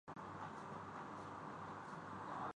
کیا یہ کوئی ماننے والی بات ہے؟